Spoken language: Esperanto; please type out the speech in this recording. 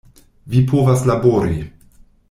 Vi povas labori!